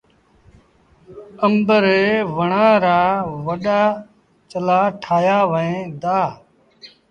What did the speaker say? آݩب ري وڻآݩ رآوڏآ چلآ ٺآهيآ وهيݩ دآ۔